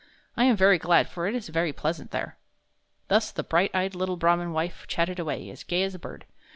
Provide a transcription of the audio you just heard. I am very glad; for it is very pleasant there." Thus the bright eyed little Brahman wife chatted away, as gay as a bird.